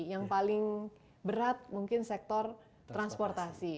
yang paling berat mungkin sektor transportasi